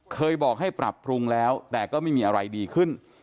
เคยบอกให้ปรับปรุงแล้วแต่ก็ไม่มีอะไรดีขึ้น